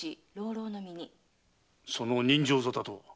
その刃傷沙汰とは？